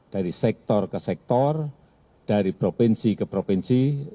dari sektor ke sektor dari provinsi ke provinsi